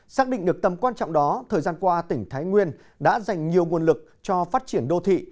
xác định được tầm quan trọng đó thời gian qua tỉnh thái nguyên đã dành nhiều nguồn lực cho phát triển đô thị